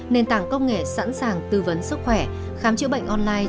nền tảng công nghệ sẵn sàng tư vấn sức khỏe khám chữa bệnh online